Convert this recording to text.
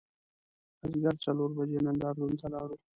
د مازدیګر څلور بجې نندار تون ته لاړو.